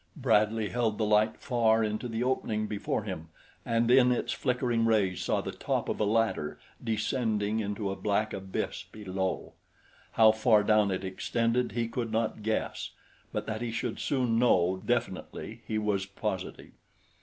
Bradley held the light far into the opening before him and in its flickering rays saw the top of a ladder descending into a black abyss below. How far down it extended he could not guess; but that he should soon know definitely he was positive.